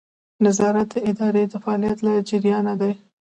نظارت د ادارې د فعالیت له جریانه دی.